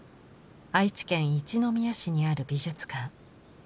愛知県一宮市にある美術館。